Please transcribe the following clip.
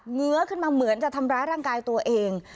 เหื้อขึ้นมาเหมือนจะทำร้ายร่างกายตัวเอง